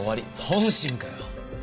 本心かよ？